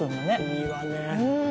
いいわね。